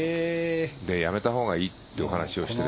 やめたほうがいいというお話をして。